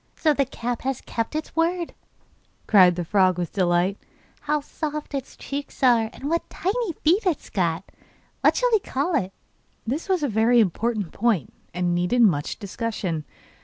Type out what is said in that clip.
'So the cap has kept its word,' cried the frog with delight. 'How soft its cheeks are, and what tiny feet it has got! What shall we call it?' This was a very important point, and needed much discussion.